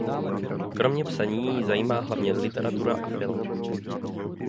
Kromě psaní ji zajímá hlavně literatura a film.